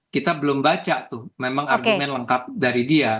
kita belum baca tuh memang argumen lengkap dari dia